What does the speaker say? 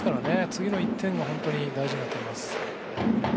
次の１点が本当に大事になってきます。